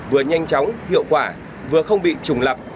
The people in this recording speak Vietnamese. vừa nhanh chóng hiệu quả vừa không bị trùng lập